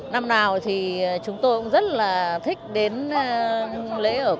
năm nào thì chúng tôi cũng rất là thích đến lễ ở quốc gia